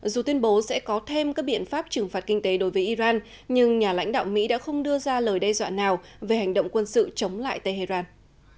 dù tuyên bố sẽ có thêm các biện pháp trừng phạt kinh tế đối với iran nhưng nhà lãnh đạo mỹ đã không đưa ra lời đe dọa nào về hành động quân sự chống lại tehran